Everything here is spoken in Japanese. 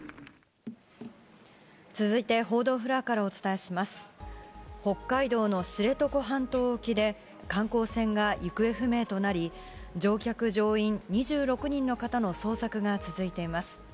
続いて報道フロアからお伝え北海道の知床半島沖で、観光船が行方不明となり、乗客・乗員２６人の方の捜索が続いています。